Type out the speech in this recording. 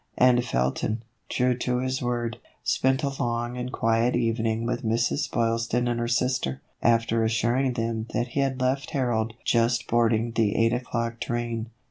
And Felton, true to his word, spent a long and quiet evening with Mrs. Boylston and her sister, after assuring them that he had left Harold just boarding the eight o'clock train.